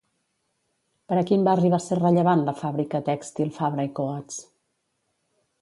Per a quin barri va ser rellevant, la fàbrica tèxtil Fabra i Coats?